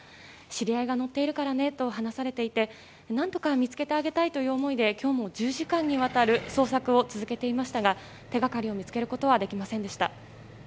知り合いが乗っているからねと話されていて何とか見つけてあげたいという思いで、今日も１０時間にわたる捜索を続けていましたが手がかりを見つけることはできませんでした。